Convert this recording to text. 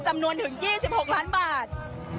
จำนวนถึง๒๖ล้านบาท